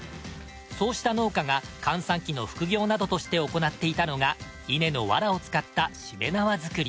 そうした農家が閑散期の副業などとして行っていたのが稲のわらを使ったしめ縄作り。